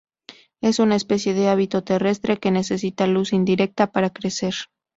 Es una especie de hábito terrestre que necesita luz indirecta para crecer.